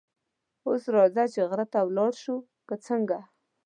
اوس راځه چې غره ته ولاړ شو، که څنګه؟